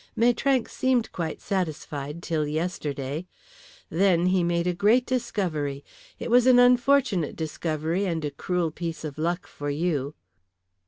Maitrank seemed quite satisfied till yesterday. Then he made a great discovery. It was an unfortunate discovery and a cruel piece of luck for you."